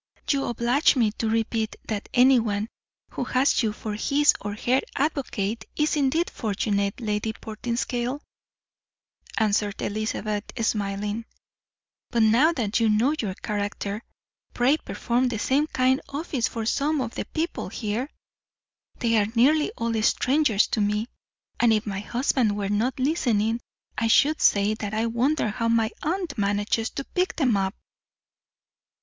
"You oblige me to repeat that anyone who has you for his or her advocate is indeed fortunate, Lady Portinscale," answered Elizabeth, smiling; "but now that you know your character, pray perform the same kind office for some of the people here. They are nearly all strangers to me, and if my husband were not listening, I should say that I wonder how my aunt manages to pick them up."